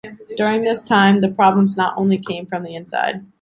During this time, the problems not only came from the inside.